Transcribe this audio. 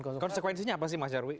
konsekuensinya apa sih mas nyarwi